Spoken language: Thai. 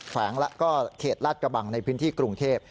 แฝงแล้วก็เขตลาดกระบังในพื้นที่กรุงเทพ